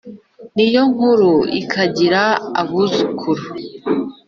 ni yo nkuru ikagira abuzukuru